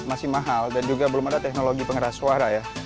masih mahal dan juga belum ada teknologi pengeras suara ya